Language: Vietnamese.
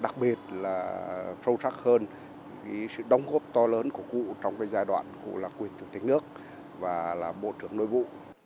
đặc biệt là sâu sắc hơn sự đóng góp to lớn của cụ trong giai đoạn cụ là quỳnh thủ tế nước và là bộ trưởng nội vụ